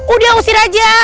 udah usir aja